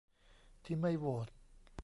ที่ไม่โหวต